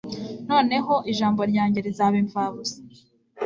noneho ijambo ryanjye rizaba impfabusa